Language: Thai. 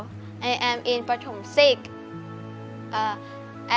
และฉันกลับช่างค่ะเหนะค่ะ